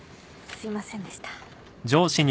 すいませんでした。